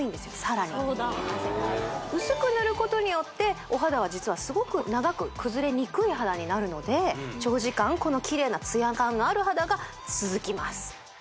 さらに薄く塗ることによってお肌は実はすごく長く崩れにくい肌になるので長時間このキレイなツヤ感がある肌が続きます